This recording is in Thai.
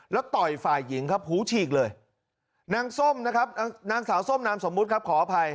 แล้วต่อยฝ่ายหญิงครับหูฉีกเลยนางส้มนะครับนางสาวส้มนามสมมุติครับขออภัย